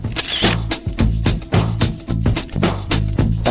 สักทายอยากที่ใหญ่